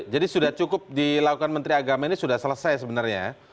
jadi sudah cukup dilakukan menteri agama ini sudah selesai sebenarnya ya